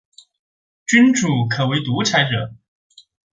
君主可为独裁者。